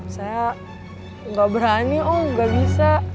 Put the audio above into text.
saya gak berani om gak bisa